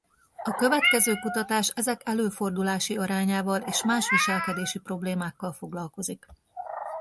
A következő kutatás ezek előfordulási arányával és más viselkedési problémákkal foglalkozik.